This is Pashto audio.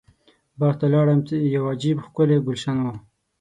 باغ ته لاړم یو عجب ښکلی ګلشن و.